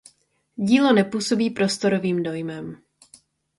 Dílo nepůsobí prostorovým dojmem.